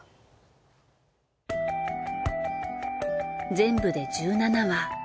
全部で１７話。